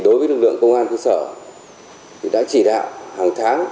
đối với lực lượng công an xã hội đã chỉ đạo hàng tháng